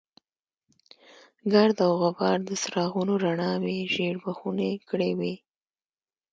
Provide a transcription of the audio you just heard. ګرد او غبار د څراغونو رڼاوې ژېړ بخونې کړې وې.